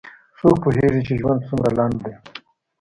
څوک پوهیږي چې ژوند څومره لنډ ده